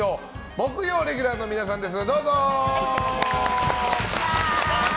木曜レギュラーの皆さんです。